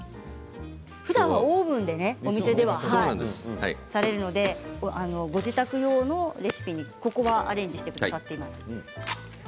ふだんはオーブンでお店ではされるのでご自宅用のレシピにここはアレンジしてくださっています。